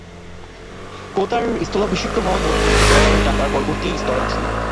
কো তার স্থলাভিষিক্ত হন ও দর ডাকার পরবর্তী স্তরে অংশ নেন।